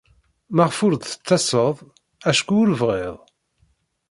Maɣef ur d-tettaseḍ? Acku ur bɣiɣ.